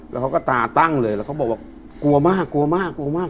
แล้วเขาก็ตาตั้งเลยแล้วเขาบอกว่ากลัวมากกลัวมากกลัวมาก